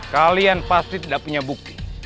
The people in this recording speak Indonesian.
kalian pasti tidak punya bukti